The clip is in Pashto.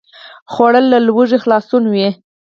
خوړل له لوږې خلاصون وي